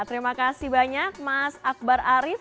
terima kasih banyak mas akbar arief